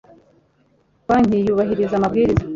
banki yubahiriza amabwiriza